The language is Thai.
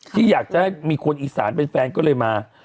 ที่อยากจะให้มีคนอีสานเป็นแฟนก็เลยมา